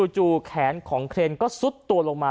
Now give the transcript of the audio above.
แขนของเครนก็ซุดตัวลงมา